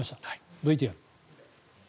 ＶＴＲ。